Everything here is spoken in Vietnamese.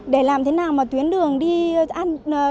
để làm thế nào mà tuyến đường đi an toàn